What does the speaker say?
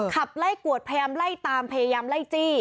ขับไล่กวดพยายามไล่ตามพยายามไล่จี้